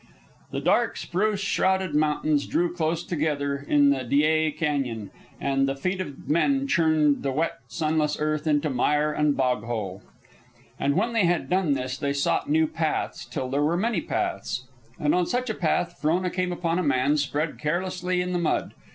The dark spruce shrouded mountains drew close together in the Dyea Canyon, and the feet of men churned the wet sunless earth into mire and bog hole. And when they had done this they sought new paths, till there were many paths. And on such a path Frona came upon a man spread carelessly in the mud.